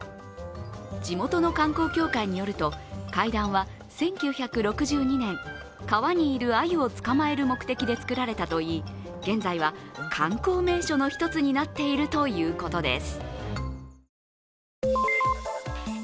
地元の観光協会によると階段は１９６２年、川にいるあゆをつかまえる目的で作られたといい、現在は観光名所の一つになっているということです。